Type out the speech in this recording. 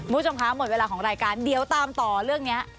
คุณผู้ชมคะหมดเวลาของรายการเดี๋ยวตามต่อเรื่องนี้